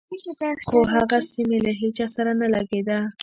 خو هغسې مې له هېچا سره نه لګېده.